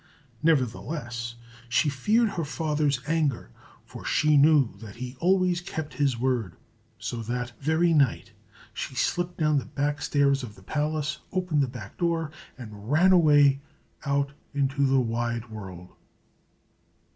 Nevertheless, she feared her father's anger, for she knew that he always kept his word; so that very night she slipped down the back stairs of the palace, opened the back door, and ran away out into the wide world.